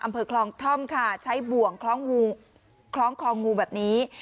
อำเภอคลองท่อมค่ะใช้บ่วงคล้องคองูแบบนี้